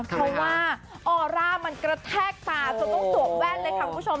เพราะว่าออร่ามันกระแทกตาจนต้องสวมแว่นเลยค่ะคุณผู้ชม